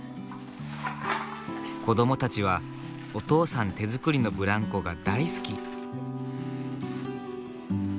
子供たちはお父さん手作りのブランコが大好き。